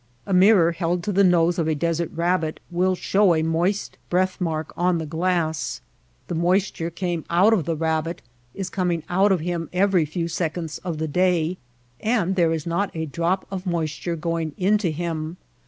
A mirror held to the nose of a desert rabbit will show a moist breath mark on the glass. The moisture came out of the rabbit, is coming out of him every few sec onds of the day ; and there is not a drop of moisture going into him.